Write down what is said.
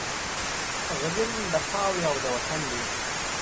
غلیم د خاوري او د وطن دی